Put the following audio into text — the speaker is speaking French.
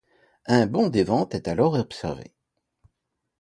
Un bond des ventes est alors observé.